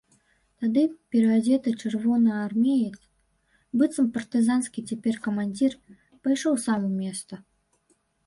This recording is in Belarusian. Тады пераадзеты чырвонаармеец, быццам партызанскі цяпер камандзір, пайшоў сам у места.